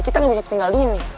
kita gak bisa ketinggalin nih